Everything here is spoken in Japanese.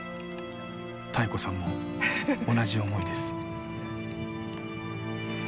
妙子さんも同じ思いです。